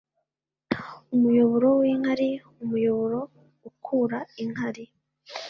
umuyoboro w'inkari umuyoboro ukura inkari